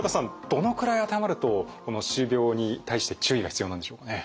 どのくらい当てはまるとこの歯周病に対して注意が必要なんでしょうかね？